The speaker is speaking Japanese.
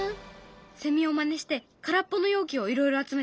セミをまねして空っぽの容器をいろいろ集めたよ。